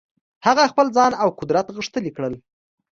هغه خپل ځان او قدرت غښتلي کړل.